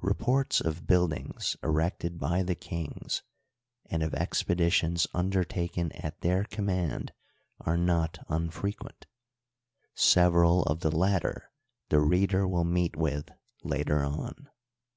Re ports of buildings erected by the kings, and of expeditions undertaken at their command, are not unfrequent ; several of the latter the reader will meet with later on.